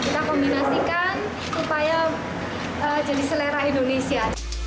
kita kombinasikan supaya jenis selera indonesia